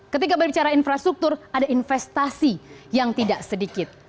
ketika berbicara infrastruktur ada investasi yang tidak sedikit